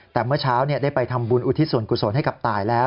แต่เมื่อเช้าได้ไปทำบุญอุทิศส่วนกุศลให้กับตายแล้ว